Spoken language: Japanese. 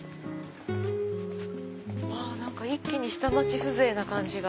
一気に下町風情な感じが。